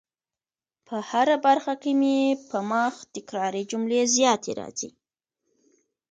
په هره برخه کي مي په مخ تکراري جملې زیاتې راځي